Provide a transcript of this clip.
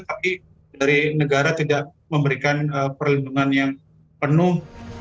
tapi dari negara tidak memberikan perlindungan yang penuh